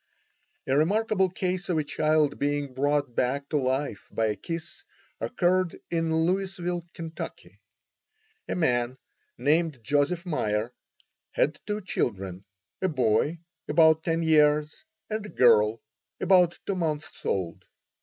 A remarkable case of a child being brought back to life by a kiss occurred in Louisville, Ky. A man named Joseph Meyer had two children, a boy about ten years and a girl about two months old.